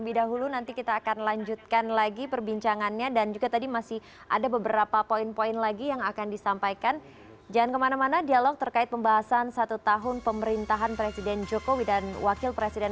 bisa dideliver pemasarannya ke daerah daerah dengan menggunakan